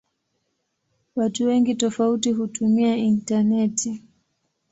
Watu wengi tofauti hutumia intaneti.